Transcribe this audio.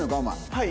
はい。